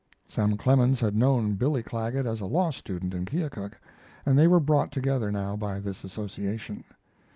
Sam Clemens had known Billy Clagget as a law student in Keokuk, and they were brought together now by this association.